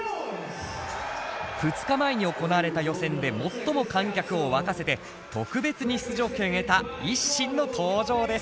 ２日前に行われた予選で最も観客を沸かせて特別に出場権を得たＩＳＳＩＮの登場です。